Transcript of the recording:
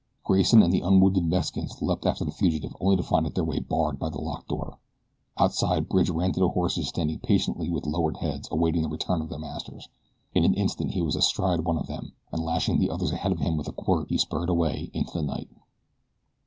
Grayson and the unwounded Mexicans leaped after the fugitive only to find their way barred by the locked door. Outside Bridge ran to the horses standing patiently with lowered heads awaiting the return of their masters. In an instant he was astride one of them, and lashing the others ahead of him with a quirt he spurred away into the night.